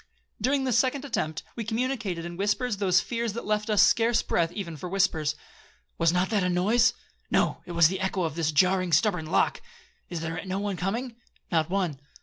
During this second attempt, we communicated in whispers those fears that left us scarce breath even for whispers. 'Was not that a noise?'—'No, it was the echo of this jarring, stubborn lock. Is there no one coming?'—'Not one.'